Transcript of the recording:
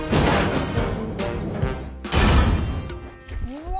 うわ！